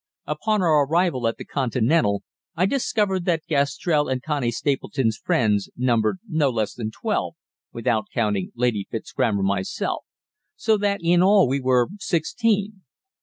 Upon our arrival at the "Continental" I discovered that Gastrell and Connie Stapleton's friends numbered no less than twelve, without counting Lady Fitzgraham or myself, so that in all we were sixteen.